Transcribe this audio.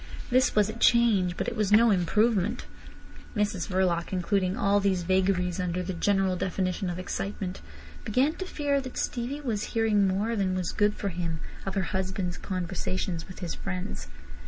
This was a change, but it was no improvement. Mrs Verloc including all these vagaries under the general definition of excitement, began to fear that Stevie was hearing more than was good for him of her husband's conversations with his friends.